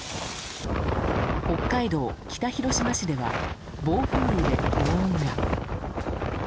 北海道北広島市では暴風雨で轟音が。